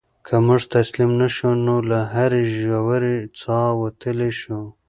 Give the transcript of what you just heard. که موږ تسلیم نه شو نو له هرې ژورې څاه وتلی شو.